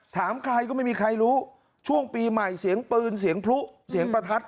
ถามใครก็ไม่มีใครรู้ช่วงปีใหม่เสียงปืนเสียงพลุเสียงประทัด